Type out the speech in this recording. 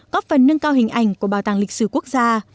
góp phần nâng cao hình ảnh của bảo tàng lịch sử quốc gia